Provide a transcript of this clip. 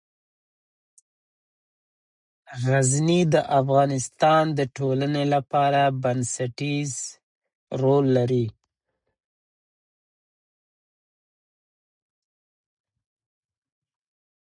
غزني د افغانستان د ټولنې لپاره بنسټيز رول لري.